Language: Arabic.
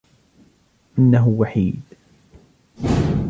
إنه وحيد.